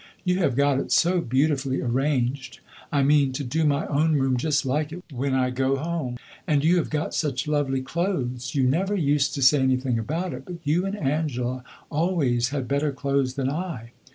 You have got it so beautifully arranged I mean to do my own room just like it when I go home. And you have got such lovely clothes. You never used to say anything about it, but you and Angela always had better clothes than I.